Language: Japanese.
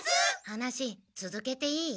話つづけていい？